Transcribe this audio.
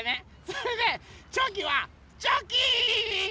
それでチョキはチョキ！